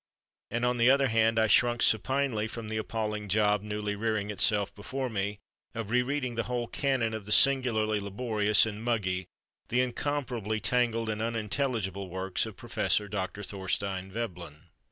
And on the other hand, I shrunk supinely from the appalling job, newly rearing itself before me, of re reading the whole canon of the singularly laborious and muggy, the incomparably tangled and unintelligible works of Prof. Dr. Thorstein Veblen....